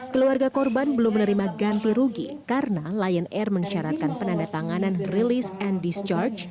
keluarga korban belum menerima ganti rugi karena lion air mensyaratkan penanda tanganan rilis and discharge